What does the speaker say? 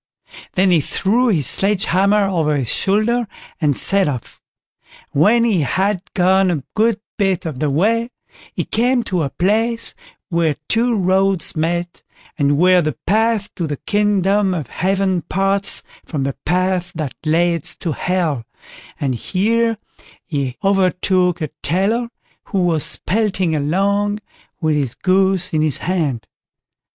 Then he threw his sledge hammer over his shoulder and set off; and when he had gone a good bit of the way, he came to a place where two roads met, and where the path to the kingdom of Heaven parts from the path that leads to Hell, and here he overtook a tailor, who was pelting along with his goose in his hand.